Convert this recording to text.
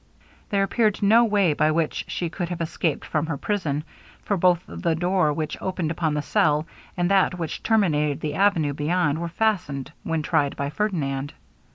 There appeared no way by which she could have escaped from her prison; for both the door which opened upon the cell, and that which terminated the avenue beyond, were fastened when tried by Ferdinand.